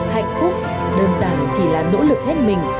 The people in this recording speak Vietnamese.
hạnh phúc đơn giản chỉ là nỗ lực hết mình